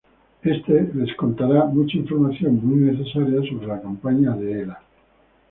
Este les contará mucha información muy necesaria sobre la campaña de Hela.